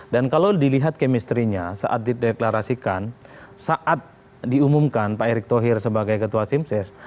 dan kalau dilihat kemisterinya saat dideklarasikan saat diumumkan pak erick tauri sebagai ketua simsys